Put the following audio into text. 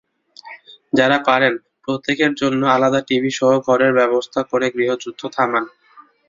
যাঁরা পারেন, প্রত্যেকের জন্য আলাদা টিভিসহ ঘরের ব্যবস্থা করে গৃহযুদ্ধ থামান।